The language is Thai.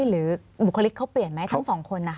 หรือบุคลิกเขาเปลี่ยนไหมทั้งสองคน